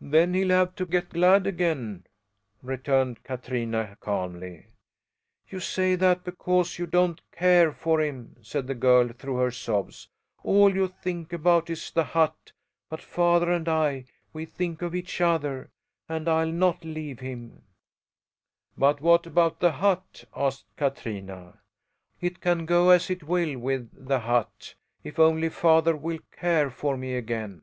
"Then he'll have to get glad again," returned Katrina, calmly. "You say that because you don't care for him," said the girl, through her sobs. "All you think about is the hut. But father and I, we think of each other, and I'll not leave him!" "But what about the hut?" asked Katrina. "It can go as it will with the hut, if only father will care for me again."